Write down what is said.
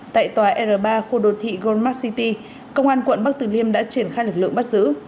tại tòa r ba khu đô thị goldmark city công an quận bắc tử liêm đã triển khai lực lượng bắt giữ